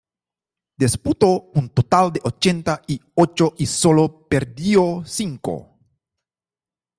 Disputó un total de ochenta y ocho y sólo perdió cinco.